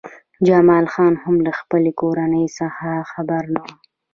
جمال خان هم له خپلې کورنۍ څخه خبر نه و